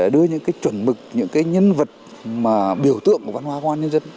đưa những cái chuẩn mực những cái nhân vật mà biểu tượng của văn hóa công an nhân dân